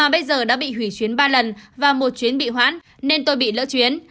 ba bây giờ đã bị hủy chuyến ba lần và một chuyến bị hoãn nên tôi bị lỡ chuyến